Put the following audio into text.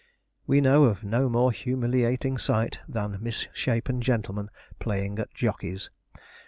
We know of no more humiliating sight than misshapen gentlemen playing at jockeys.